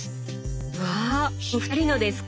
うわお二人のですか！